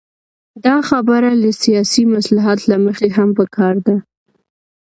دا خبره له سیاسي مصلحت له مخې هم پکار ده.